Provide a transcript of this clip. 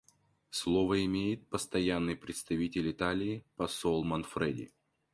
Слово имеет Постоянный представитель Италии посол Манфреди.